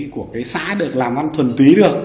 của cái xã được làm văn thuần túy được